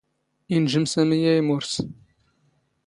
ⵉⵏⵊⵎ ⵙⴰⵎⵉ ⴰⴷ ⵉⵎⵓⵔⵙ.